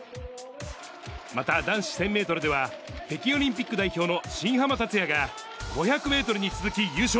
また、男子１０００メートルでは、北京オリンピック代表の新濱立也が５００メートルに続き優勝。